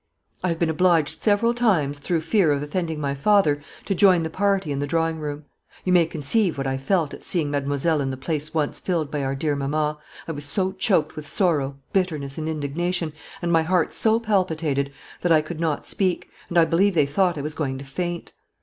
"I have been obliged several times, through fear of offending my father, to join the party in the drawing room. You may conceive what I felt at seeing mademoiselle in the place once filled by our dear mamma, I was so choked with sorrow, bitterness, and indignation, and my heart so palpitated, that I could not speak, and I believe they thought I was going to faint.